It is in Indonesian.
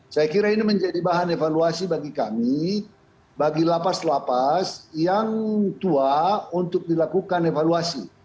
saya kira ini menjadi bahan evaluasi bagi kami bagi lapas lapas yang tua untuk dilakukan evaluasi